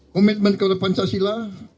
komitmen kepada pancasila